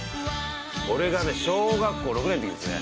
俺がね小学校６年の時ですね